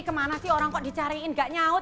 kemana sih orang kok dicariin gak nyaut